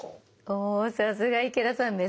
おおさすが池田さん